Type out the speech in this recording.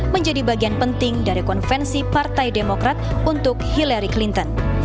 menjadi bagian penting dari konvensi partai demokrat untuk hillary clinton